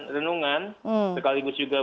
renungan sekaligus juga